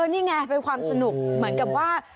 นี่ไงเป็นความสนุกเหมือนกับว่า